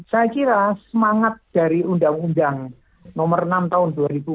saya kira semangat dari undang undang nomor enam tahun dua ribu empat belas